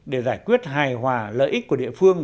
để giải quyết hài hòa lợi ích của địa phương